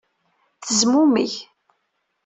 Tezmummeg.